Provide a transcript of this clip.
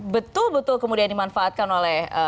betul betul kemudian dimanfaatkan oleh